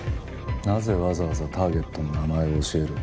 なぜわざわざターゲットの名前を教える？